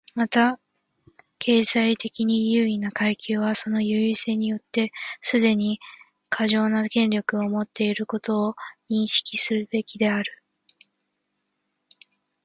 また、経済的に優位な階級はその優位性によってすでに過剰な権力を持っていることを認識すべきである。